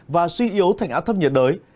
và suy yếu thành áp thấp nhiệt đới